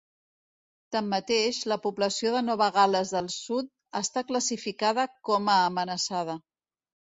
Tanmateix, la població de Nova Gal·les del Sud està classificada com a amenaçada.